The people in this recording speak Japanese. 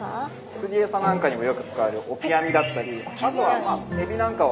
釣りエサなんかにもよく使われるオキアミだったりあとはエビなんかを好んで食べます。